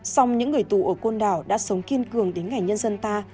song những người tù ở côn đảo đã sống kiên cường đến ngày nhân dân ta